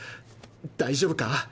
大丈夫か？